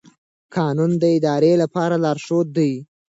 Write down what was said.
قانون د ادارې لپاره لارښود دی.